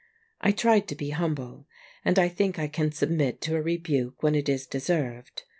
I tried to be humble, and I think I can submit to a rebuke when it is deserved.